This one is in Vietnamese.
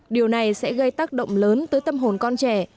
điều này sẽ gây tác động lớn tới tâm hồn con trẻ